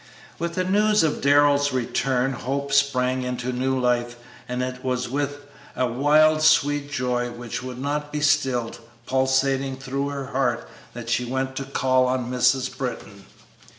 With the news of Darrell's return, hope sprang into new life, and it was with a wild, sweet joy, which would not be stilled, pulsating through her heart, that she went to call on Mrs. Britton.